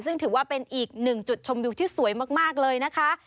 ซึ่งถือว่าเป็นอีกหนึ่งจุดชมวิวที่สวยมากเลยนะคะ